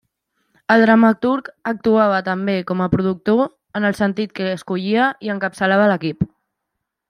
El dramaturg actuava també com a productor, en el sentit que escollia i encapçalava l'equip.